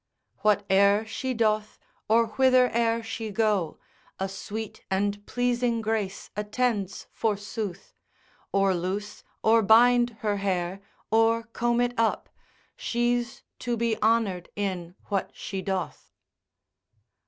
Whate'er she doth, or whither e'er she go, A sweet and pleasing grace attends forsooth; Or loose, or bind her hair, or comb it up, She's to be honoured in what she doth.